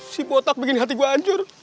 si kotak bikin hati gue hancur